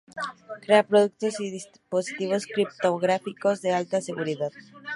Crea productos y dispositivos criptográficos de alta seguridad.